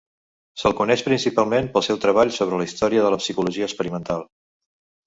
Se'l coneix principalment pel seu treball sobre la història de la psicologia experimental.